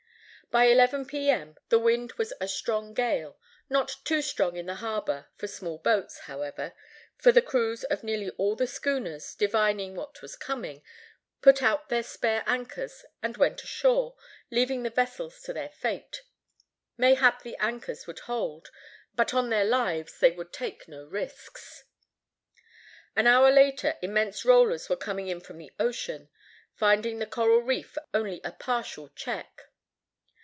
By 11 P.M. the wind was a strong gale: not too strong in the harbor for small boats, however; for the crews of nearly all the schooners, divining what was coming, put out their spare anchors and went ashore, leaving the vessels to their fate. Mayhap the anchors would hold; but on their lives they would take no risks. An hour later immense rollers were coming in from the ocean, finding the coral reef only a partial check.